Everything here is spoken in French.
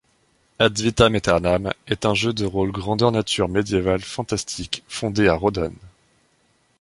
Advitam Eternam est un jeu de rôle grandeur nature médiéval fantastique fondé à Rawdon.